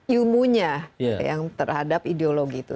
ilmunya yang terhadap ideologi itu